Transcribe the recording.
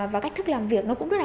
và cách thức làm việc nó cũng rất là